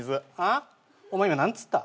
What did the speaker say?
あ？お前今何つった？